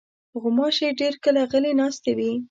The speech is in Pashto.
غوماشې ډېر کله غلې ناستې وي.